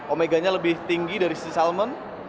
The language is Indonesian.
omega nya lebih tinggi dari salmon